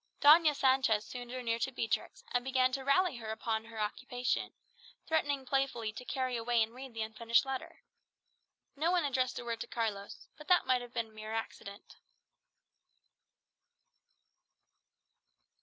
Doña Sancha soon drew near to Beatrix, and began to rally her upon her occupation, threatening playfully to carry away and read the unfinished letter. No one addressed a word to Carlos; but that might have been mere accident.